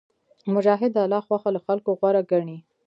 مجاهد د الله خوښه له خلکو غوره ګڼي.